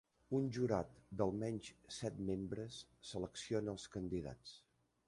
Un jurat d'almenys set membres selecciona els candidats.